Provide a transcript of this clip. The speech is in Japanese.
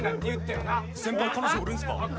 よな先輩彼女おるんすか？